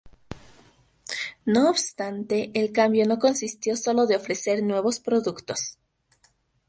No obstante, el cambio no consistió sólo de ofrecer nuevos productos.